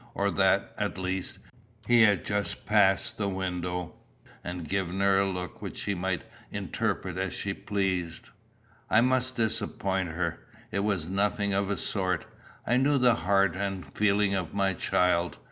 or that, at least, he had just passed the window, and given her a look which she might interpret as she pleased? I must disappoint her. It was nothing of the sort. I knew the heart and feeling of my child.